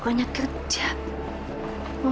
pak saya mau pergi ke rumah